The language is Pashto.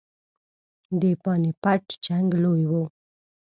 د پاني پټ جنګ لوی وو.